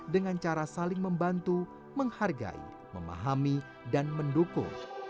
dengan cara saling membantu menghargai memahami dan mendukung